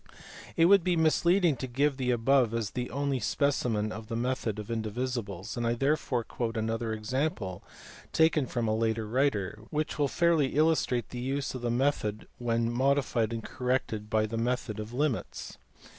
It would be misleading to give the above as the only specimen of the method of indivisibles, and I therefore quote another example, taken from a later writer, which will fairly illustrate the use of the method when modified and corrected by the method of limits.